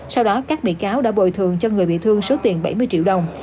sau đó các bị cáo đã bồi thường cho người bị thương số tiền bảy mươi triệu đồng